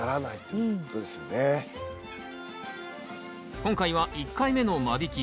今回は１回目の間引き。